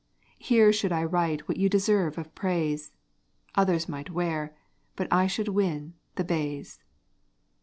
Here should I write what you deserve of praise; Others might wear, but I should win, the bays.